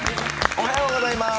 おはようございます。